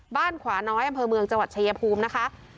ขวาน้อยอำเภอเมืองจังหวัดชายภูมินะคะ